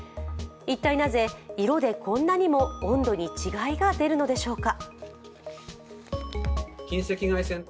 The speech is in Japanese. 一体なぜ色でこんなにも温度に違いが出るのでしょうか。